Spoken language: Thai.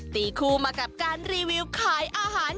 ตีคู่มากับการรีวิวขายอาหาร